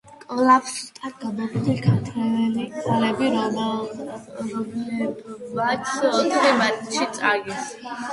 კვლავ სუსტად გამოვიდნენ ქართველი ქალები, რომლებმაც ოთხი მატჩი წააგეს.